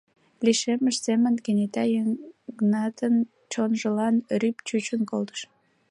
Лишеммышт семын кенета Йыгнатын чонжылан рӱп чучын колтыш.